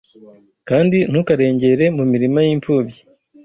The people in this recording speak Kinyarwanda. Kandi ntukarengere mu mirima y’imfubyi